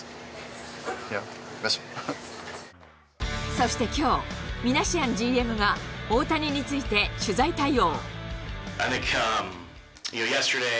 そしてきょう、ミナシアンＧＭが大谷について取材対応。